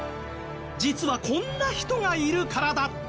実はこんな人がいるからだった？